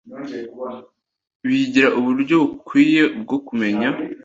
bigira uburyo bukwiye bwo kumenya